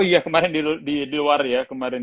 oh iya kemarin di luar ya kemarin ya